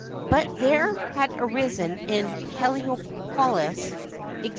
But there had arisen in Heliopolis (Eg.